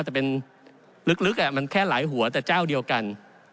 แต่เป็นลึกมันแค่หลายหัวแต่เจ้าเดียวกัน